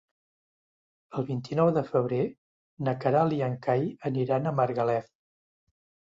El vint-i-nou de febrer na Queralt i en Cai aniran a Margalef.